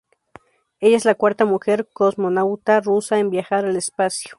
Ella es la cuarta mujer cosmonauta rusa en viajar al espacio.